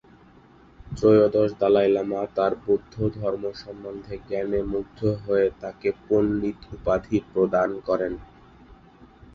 ত্রয়োদশ দলাই লামা তার বৌদ্ধধর্ম সম্বন্ধে জ্ঞানে মুগ্ধ হয়ে তাকে পণ্ডিত উপাধি প্রদান করেন।